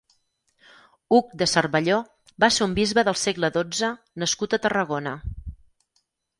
Hug de Cervelló va ser un bisbe del segle dotze nascut a Tarragona.